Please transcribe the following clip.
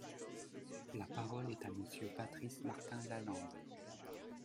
La parole est à Monsieur Patrice Martin-Lalande.